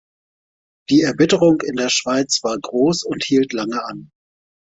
Die Erbitterung in der Schweiz war gross und hielt lange an.